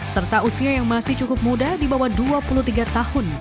serta usia yang masih cukup muda di bawah dua puluh tiga tahun